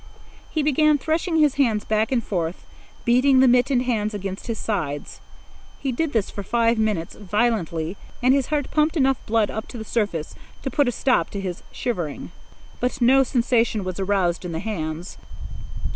He began threshing his arms back and forth, beating the mittened hands against his sides. He did this for five minutes, violently, and his heart pumped enough blood up to the surface to put a stop to his shivering. But no sensation was aroused in the hands.